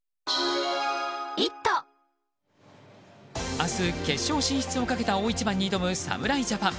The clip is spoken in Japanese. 明日、決勝進出をかけた大一番に挑む侍ジャパン。